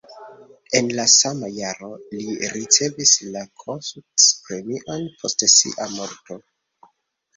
En la sama jaro li ricevis la Kossuth-premion post sia morto.